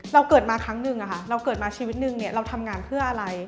เกิดมาครั้งหนึ่งเราเกิดมาชีวิตนึงเราทำงานเพื่ออะไร